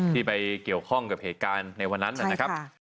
ที่ไปเกี่ยวข้องกับเหตุการณ์ในวันนั้นนะครับ